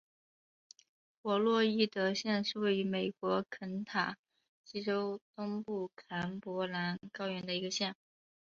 弗洛伊德县是位于美国肯塔基州东部坎伯兰高原的一个县。